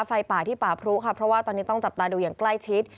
ไฟป่าที่ป่าพรุค่ะเพราะว่าตอนนี้ต้องจับตาดูอย่างใกล้ชิด